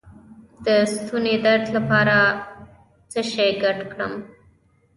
د ستوني درد لپاره څه شی ګډ کړم؟